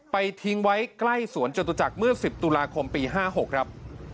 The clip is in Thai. ทิ้งไว้ใกล้สวนจตุจักรเมื่อ๑๐ตุลาคมปี๕๖ครับ